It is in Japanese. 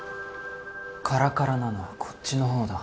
カラカラなのはこっちの方だ